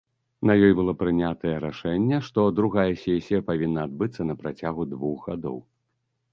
На ёй было прынятае рашэнне, што другая сесія павінна адбыцца на працягу двух гадоў.